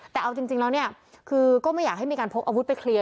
แต่เอาจริงแล้วเนี่ยคือก็ไม่อยากให้มีการพกอาวุธไปเคลียร์